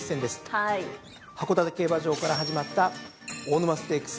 函館競馬場から始まった大沼ステークス。